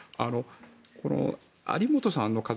有本さんの家族